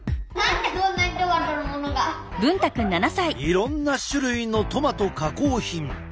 いろんな種類のトマト加工品！